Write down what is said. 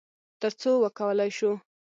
تر څو وکولی شو،